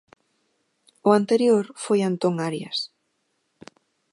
O anterior foi Antón Arias.